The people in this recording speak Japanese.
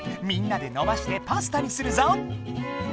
みんなでのばしてパスタにするぞ！